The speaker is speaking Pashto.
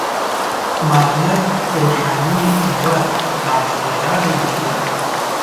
ماريه روحاني يوه با استعداده نجلۍ ده.